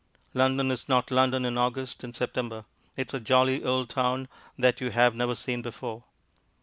London is not London in August and September; it is a jolly old town that you have never seen before.